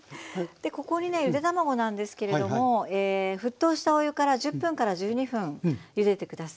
ここにねゆで卵なんですけれども沸騰したお湯から１０１２分ゆでて下さい。